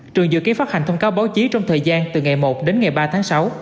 trường dự kiến phát hành thông cáo báo chí trong thời gian từ ngày một đến ngày ba tháng sáu